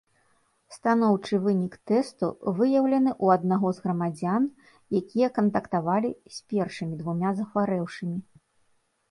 Станоўчы вынік тэсту выяўлены ў аднаго з грамадзян, якія кантактавалі з першымі двума захварэўшымі.